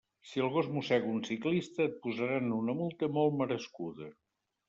Si el gos mossega un ciclista, et posaran una multa molt merescuda.